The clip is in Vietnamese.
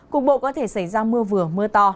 cục bộ có thể xảy ra mưa vừa mưa to